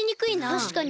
たしかに。